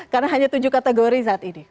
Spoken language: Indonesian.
karena hanya tujuh kategori saat ini